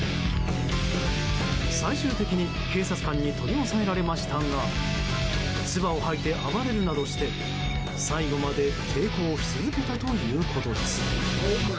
最終的に警察官に取り押さえられましたがつばを吐いて暴れるなどして最後まで抵抗し続けたということです。